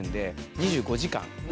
２５時間！